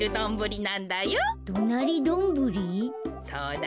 そうだよ。